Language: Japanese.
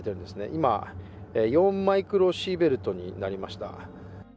今、４マイクロシーベルトになりました。